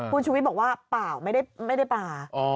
คุณชุวิตบอกว่าเปล่าไม่ได้ปลา